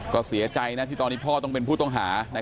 ก็เสียใจนะที่ตอนนี้พ่อต้องเป็นผู้ต้องหา